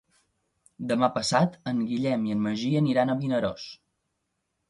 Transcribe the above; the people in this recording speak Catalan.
Demà passat en Guillem i en Magí aniran a Vinaròs.